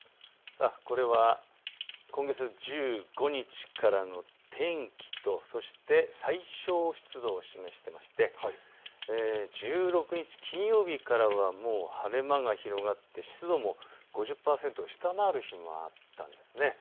これは今月１５日からの天気と最小湿度を示していまして１６日、金曜日からはもう晴れ間が広がって湿度も５０％を下回る日もあったんです。